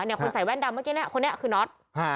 คนใส่แว่นดำเมื่อกี้เนี่ยคนนี้คือน็อต